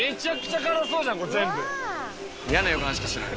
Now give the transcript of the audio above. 嫌な予感しかしない。